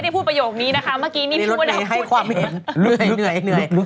เมื่อกี้นี่พี่พูดแล้วพูดเอง